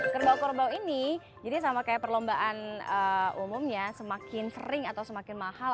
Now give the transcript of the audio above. kerbau kerbau ini jadi sama kayak perlombaan umumnya semakin sering atau semakin mahal